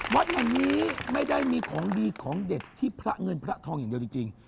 วัดอย่างนี้ไม่ได้มีของดีของเด็ดที่พระเงินพระทองอย่างเดียวจริง